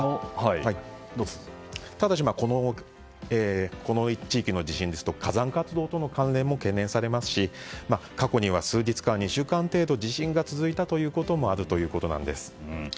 ただし、この地域の地震ですと火山活動との関連も懸念されますし過去には数日から２週間程度地震が続いたということもあるということなんです。